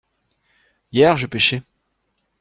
Hier je pêchais.